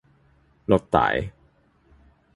露台